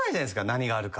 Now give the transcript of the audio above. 何があるか。